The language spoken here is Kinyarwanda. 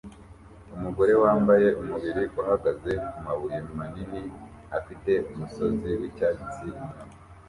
Umugore wambaye umubiri uhagaze kumabuye manini afite umusozi wicyatsi inyuma